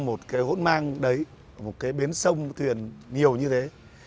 một cái hỗn mang đấy một cái bến sông một cái thuyền nhiều như thế